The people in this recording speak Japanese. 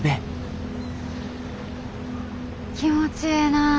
気持ちええなぁ。